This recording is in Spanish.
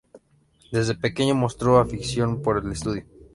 Desde pequeño mostró afición por el estudio.